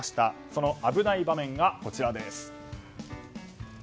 そのアブナイ場面がこちらです。